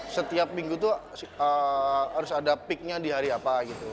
setiap minggu tuh harus ada peaknya di hari apa gitu